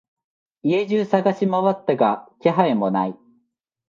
家中探しまわったが気配もない。